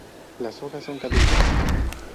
Las hojas son caducas.